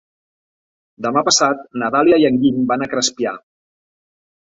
Demà passat na Dàlia i en Guim van a Crespià.